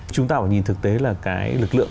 chúng ta phải nhìn thực tế là cái lực lượng